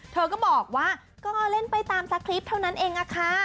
เธอก็บอกว่าก็เล่นไปตามสคริปต์เท่านั้นเองค่ะ